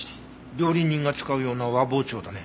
料理人が使うような和包丁だね。